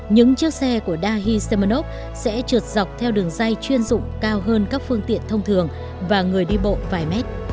những chiếc xe của dahi semenov sẽ trượt dọc theo đường dây chuyên dụng cao hơn các phương tiện thông thường và người đi bộ vài mét